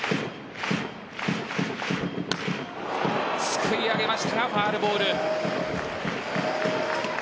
すくい上げましたがファウルボール。